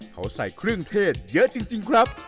เขาใส่เครื่องเทศเยอะจริงครับ